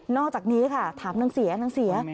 อกจากนี้ค่ะถามนางเสียนางเสีย